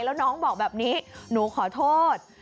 แล้วน้องบอกแบบนี้หนูขอโทษ